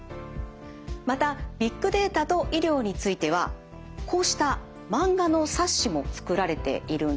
またビッグデータと医療についてはこうした漫画の冊子も作られているんですね。